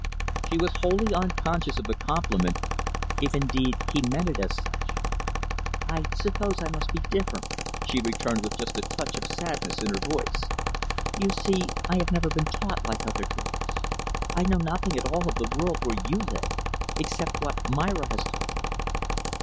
She was wholly unconscious of the compliment if indeed, he meant it as such. "I suppose I must be different," she returned with just a touch, of sadness in her voice. "You see I have never been taught like other girls. I know nothing at all of the world where you live except what Myra has told me."